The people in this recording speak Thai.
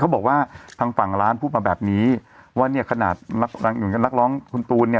บอกว่าทางฝั่งร้านพูดมาแบบนี้ว่าเนี่ยขนาดนักร้องคุณตูนเนี่ย